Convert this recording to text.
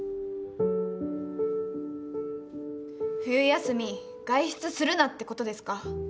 冬休み外出するなってことですか？